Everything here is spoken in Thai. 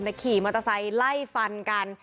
แต่ขี่มอเตอร์ไซค์ไล่ฟันกัน